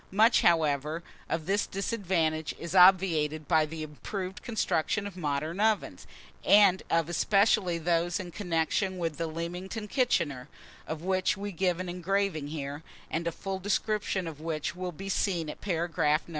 Much, however, of this disadvantage is obviated by the improved construction of modern ovens, and of especially those in connection with the Leamington kitchener, of which we give an engraving here, and a full description of which will be seen at paragraph No.